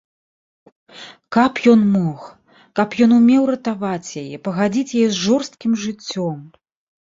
Каб ён мог, каб ён умеў ратаваць яе, пагадзіць яе з жорсткім жыццём!